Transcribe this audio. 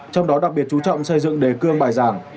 trong đó đặc biệt chú trọng xây dựng đề cương bài giảng